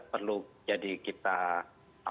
perlu jadi kita